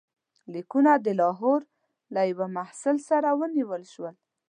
لیکونه د لاهور له یوه محصل سره ونیول شول.